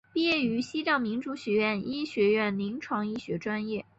毕业于西藏民族学院医学院临床医学专业。